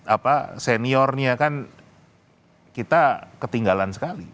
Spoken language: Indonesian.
apa seniornya kan kita ketinggalan sekali